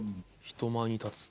「人前に立つ？」